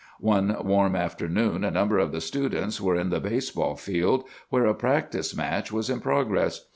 One warm afternoon, a number of the students were in the baseball field, where a practice match was in progress.